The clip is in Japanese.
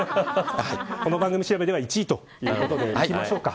この番組調べでは１位ということでいきましょうか。